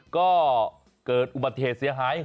ก็เกิดอุบัติเหตุเสียหาย